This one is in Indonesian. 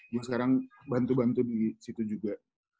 dia sekarang bantu bantu di situ juga